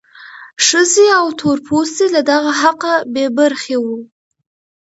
ښځې او تور پوستي له دغه حقه بې برخې وو.